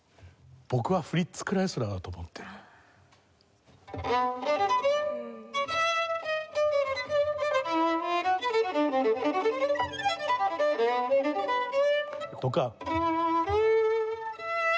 僕はフリッツ・クライスラーだと思ってる。とか。